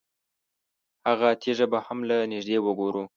هغه تیږه به هم له نږدې وګورو.